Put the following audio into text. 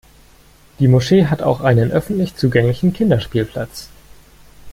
Die Moschee hat auch einen öffentlich zugänglichen Kinderspielplatz.